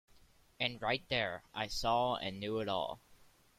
And right there I saw and knew it all.